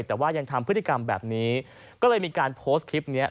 แต่ว่ายังทำพฤติกรรมแบบนี้ก็เลยมีการโพสต์คลิปนี้